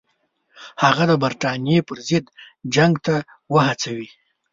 هغه د برټانیې پر ضد جنګ ته وهڅوي.